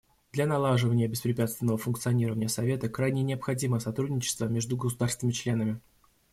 Для налаживания беспрепятственного функционирования Совета крайне необходимо сотрудничество между государствами-членами.